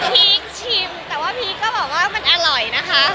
พีคชิมแต่ว่าพีคก็บอกว่ามันอร่อยนะคะ